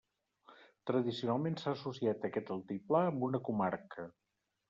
Tradicionalment s'ha associat aquest altiplà amb una comarca.